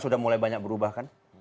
sudah mulai banyak berubah kan